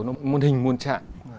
nó muôn hình muôn trạng